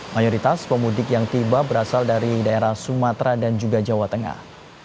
mayoritas pemudik yang tiba berasal dari daerah sumatera dan juga jawa tengah